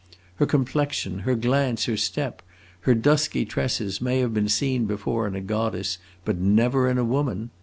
Her complexion, her glance, her step, her dusky tresses, may have been seen before in a goddess, but never in a woman.